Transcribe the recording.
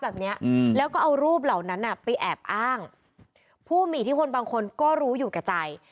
แบบนี้แล้วก็เอารูปเหล่านั้นไปแอบอ้างผู้มีที่พ้นบางคนก็รู้อยู่กับใจ